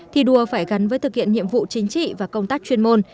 thi đua phải gắn với thực hiện nhiệm vụ chính trị và công tác chuyên môn